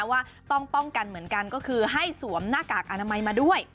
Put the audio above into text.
ว่าต้องป้องกันเหมือนกันก็คือให้สวมหน้ากากอนามัยมาด้วย